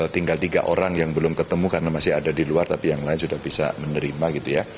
tinggal tiga orang yang belum ketemu karena masih ada di luar tapi yang lain sudah bisa menerima gitu ya